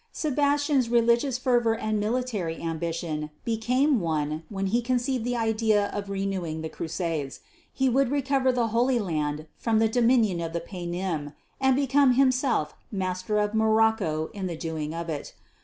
Sebastian's religious fervour and military ambition became one when he conceived the idea of renewing the Crusades; he would recover the Holy Land from the dominion of the Paynim and become himself master of Morocco in the doing of it.